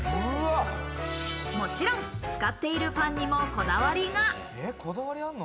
もちろん使っているパンにもこだわりが。